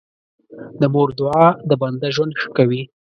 د مور دعا د بنده ژوند ښه کوي.